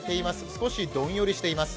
少しどんよりしています。